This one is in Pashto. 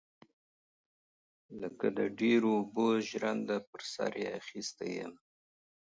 لکه د ډيرو اوبو ژرنده پر سر يې اخيستى يم.